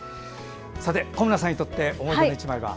小村さんにとって思い出の１枚は？